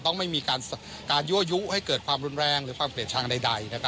ต้องไม่มีการยั่วยุให้เกิดความรุนแรงหรือความเกลียดชังใด